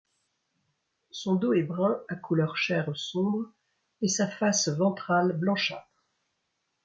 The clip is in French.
Son dos est brun à couleur chair sombre et sa face ventrale blanchâtre.